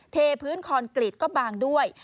เทพื้นคอนกรีตก็บางด้วย